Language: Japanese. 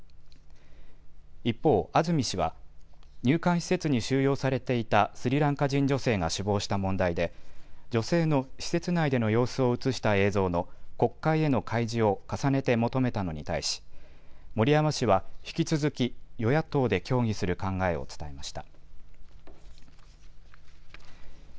一方、安住氏は入管施設に収容されていたスリランカ人女性が死亡した問題で女性の施設内での様子を写した映像の国会への開示を重ねて求めたのに対し森山氏は引き続き与野党で協議する考えを伝えました。